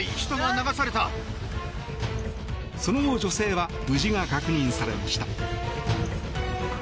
その後女性は無事が確認されました。